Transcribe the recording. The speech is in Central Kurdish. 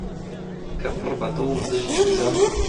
کە پڕبەدڵ دژی گزەم؟!